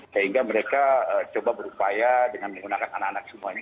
sehingga mereka coba berupaya dengan menggunakan anak anak semuanya